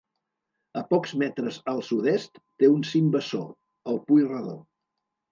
A pocs metres al sud-est té un cim bessó, el Pui Redó.